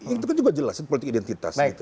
itu kan juga jelas politik identitas gitu